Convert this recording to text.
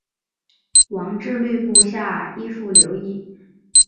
王质率部下依附留异。